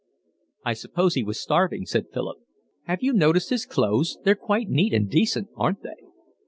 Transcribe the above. "I suppose he was starving," said Philip. "Have you noticed his clothes? They're quite neat and decent, aren't they?"